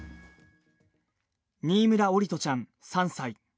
新村桜利斗ちゃん３歳。